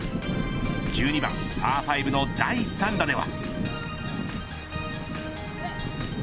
１２番パー５の第３打では。